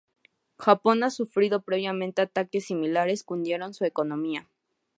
Japón ha sufrido previamente, ataques similares que hundieron su economía.